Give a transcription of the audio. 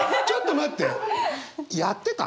ちょっと待って。